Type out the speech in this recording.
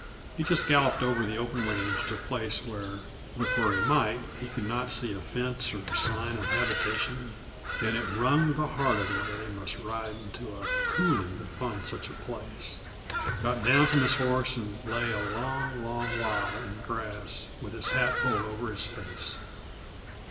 He just galloped over the open range to a place where, look where he might, he could not see a fence or sign of habitation (and it wrung the heart of him that he must ride into a coulée to find such a place), got down from his horse and lay a long, long while in the grass with his hat pulled over his face.